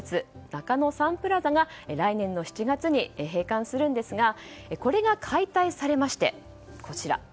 中野サンプラザが来年の７月に閉館するんですがこれが解体されましてＮＡＫＡＮＯ